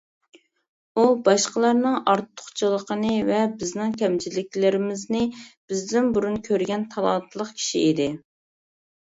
ئۇ باشقىلارنىڭ ئارتۇقچىلىقىنى ۋە بىزنىڭ كەمچىلىكلىرىمىزنى بىزدىن بۇرۇن كۆرگەن تالانتلىق كىشى ئىدى.